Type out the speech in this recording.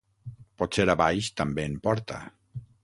Potser a baix també en porta.